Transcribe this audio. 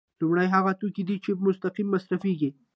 لومړی هغه توکي دي چې مستقیم مصرفیږي.